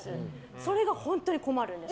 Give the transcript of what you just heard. それが本当に困るんです。